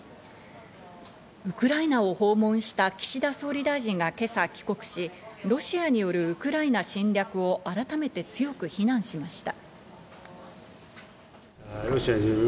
ウクライナを訪問した岸田総理大臣が今朝帰国し、ロシアによるウクライナ侵略を改めて強く非難しました。